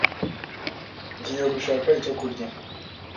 Ngiye gushaka icyo kurya.